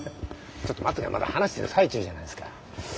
ちょっと待ってよまだ話してる最中じゃないっすか。